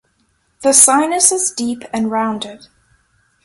The sinus is deep and rounded.